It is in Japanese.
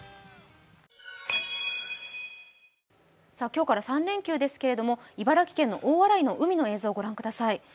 今日から３連休ですけれども茨城県の大洗の海の映像をご覧ください。